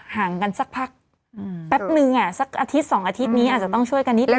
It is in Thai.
ห่างกันสักพักแป๊บนึงสักอาทิตย์๒อาทิตย์นี้อาจจะต้องช่วยกันนิดนึ